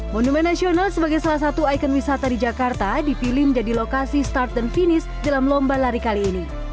monumen nasional sebagai salah satu ikon wisata di jakarta dipilih menjadi lokasi start dan finish dalam lomba lari kali ini